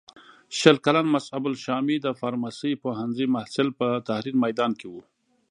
شل کلن مصعب الشامي د فارمسۍ پوهنځي محصل په تحریر میدان کې و.